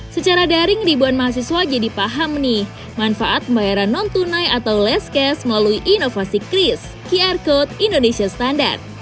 secara daring ribuan mahasiswa jadi paham nih manfaat pembayaran non tunai atau last case melalui inovasi kris qr code indonesia standar